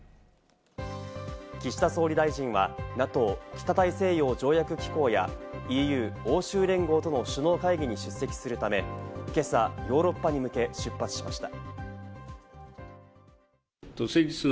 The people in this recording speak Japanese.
岸田総理大臣はＮＡＴＯ＝北大西洋条約機構やＥＵ＝欧州連合との首脳会議に出席するため、今朝ヨーロッパに向け出発しました。